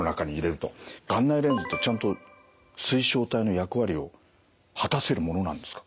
眼内レンズってちゃんと水晶体の役割を果たせるものなんですか？